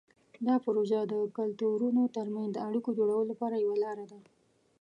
دا پروژه د کلتورونو ترمنځ د اړیکو جوړولو لپاره یوه لاره ده.